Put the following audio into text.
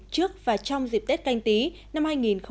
trước và trong dịp tết canh tí năm hai nghìn hai mươi